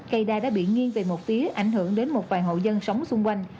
cây đa đã bị nghiêng về một phía ảnh hưởng đến một vài hộ dân sống xung quanh